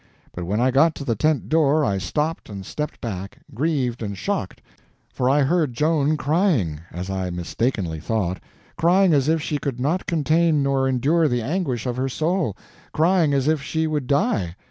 But when I got to the tent door I stopped and stepped back, grieved and shocked, for I heard Joan crying, as I mistakenly thought—crying as if she could not contain nor endure the anguish of her soul, crying as if she would die.